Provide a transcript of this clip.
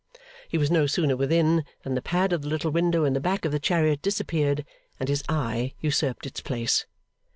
He was no sooner within than the pad of the little window in the back of the chariot disappeared, and his eye usurped its place.